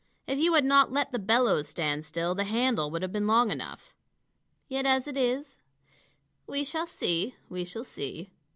"If you had not let the bellows stand still, the handle would have been long enough. Yet as it is we shall see, we shall see.